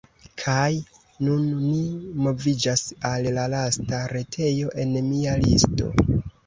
Kaj nun, ni moviĝas al la lasta retejo en mia listo.